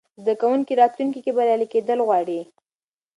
زده کوونکي راتلونکې کې بریالي کېدل غواړي.